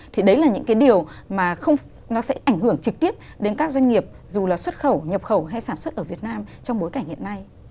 thì đấy là những cái điều mà nó sẽ ảnh hưởng trực tiếp đến các doanh nghiệp dù là xuất khẩu nhập khẩu hay sản xuất ở việt nam trong bối cảnh hiện nay